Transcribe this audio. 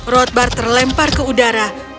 rodbard terlempar ke udara dan menjatuhkan kaki